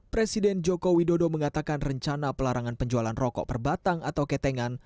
presiden joko widodo mengatakan rencana pelarangan penjualan rokok perbatang atau ketengan